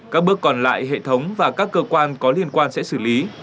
các bước còn lại hệ thống và các cơ quan có liên quan sẽ xử lý